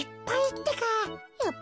ってか。